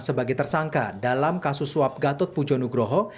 sebagai tersangka dalam kasus suap gatot pujo nugroho